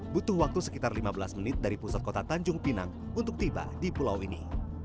butuh waktu sekitar lima belas menit dari pusat kota tanjung pinang untuk tiba di pulau ini